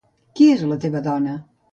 Qui és la teva dona?